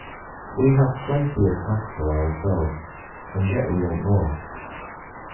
We have plenty of capital ourselves, and yet we want more.